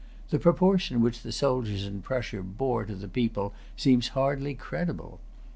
The proportion which the soldiers in Prussia bore to the people seems hardly credible.